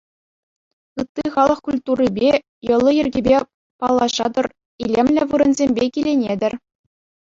Ытти халӑх культурипе, йӑли-йӗркипе паллашатӑр, илемлӗ вырӑнсемпе киленетӗр.